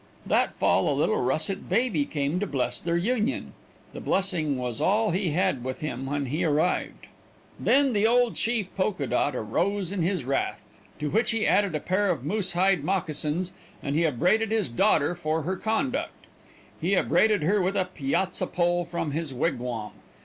That fall a little russet baby came to bless their union. The blessing was all he had with him when he arrived. Then the old chief Polka Dot arose in his wrath, to which he added a pair of moose hide moccasins, and he upbraided his daughter for her conduct. He upbraided her with a piazza pole from his wigwam.